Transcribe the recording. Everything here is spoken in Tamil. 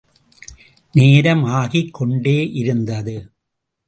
நேரம் ஆகிக் கொண்டேயிருந்தது.